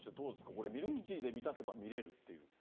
これ、ミルクティーで満たせば見れるという。